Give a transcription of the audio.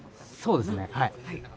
そうですね。